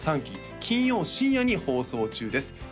３期金曜深夜に放送中です